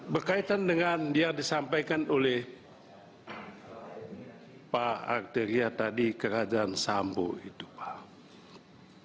berkaitan dengan dia disampaikan oleh pak arteria tadi kerajaan sambu itu pak